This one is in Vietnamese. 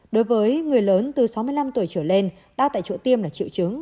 đối với người lớn từ sáu mươi năm tuổi trở lên đau tại chỗ tiêm là triệu chứng